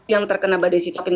yang terkena badai sitokin